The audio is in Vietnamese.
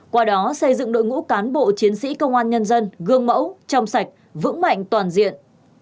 qua đó xây dựng đội ngũ cán bộ chiến sĩ công an nhân dân gương mẫu trong sạch vững mạnh toàn diện